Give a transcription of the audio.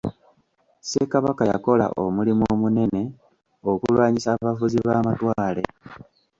Ssekabaka yakola omulimu omunene okulwanyisa abafuzi b'amatwale.